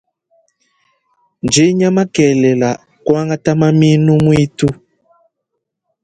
Ndinya makelela kwangata mamienu mutu.